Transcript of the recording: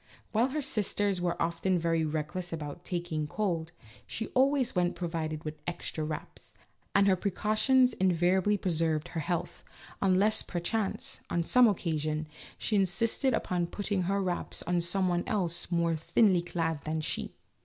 While her sisters were often very reckless about taking cold, she always went 84 A LITTLE STUDY IN COMMON SENSE. provided with extra wraps, and her precautions in variably preserved her health, unless perchance, on some occasion, she insisted upon putting her wraps on some one else more thinly clad than she.